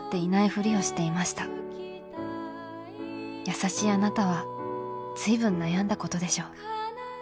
優しいあなたは随分悩んだことでしょう。